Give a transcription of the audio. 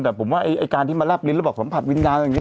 แต่ผมว่าไอ้การที่มารับลิ้นระบบสัมผัสวินดาวน์อย่างนี้